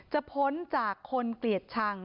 พ้นจากคนเกลียดชัง